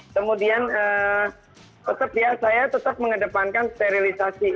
kemudian tetap ya saya tetap mengedepankan sterilisasi